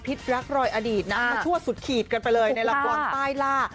รักรอยอดีตนะมาชั่วสุดขีดกันไปเลยในละครใต้ล่า